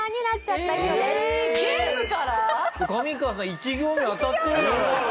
１行目当たってるじゃないですか。